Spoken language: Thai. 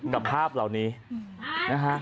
กับภาพเหล่านี้นะฮะ